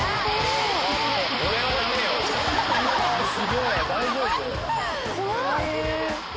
［すごい！］